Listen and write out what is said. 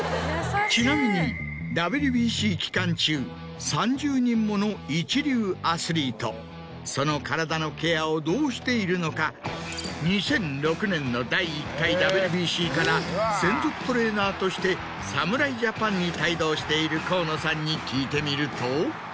ちなみにＷＢＣ期間中３０人もの一流アスリートその体のケアをどうしているのか２００６年の第１回ＷＢＣから専属トレーナーとして侍ＪＡＰＡＮに帯同している河野さんに聞いてみると。